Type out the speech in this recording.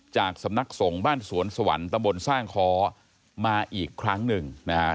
จากสำนักส่งบ้านสวนสวรรค์สวรรค์ตะบนสร้างค้อมาอีกครั้งนึงนะครับ